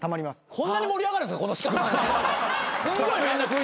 こんなに盛り上がるんすかこの資格。